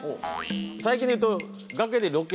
最近でいうと。